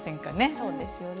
そうですよね。